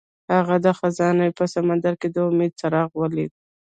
هغه د خزان په سمندر کې د امید څراغ ولید.